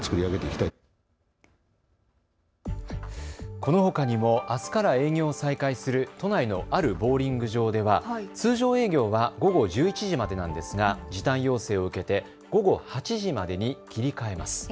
このほかにもあすから営業を再開する都内のあるボウリング場では通常営業は午後１１時までなんですが時短要請を受けて午後８時までに切り替えます。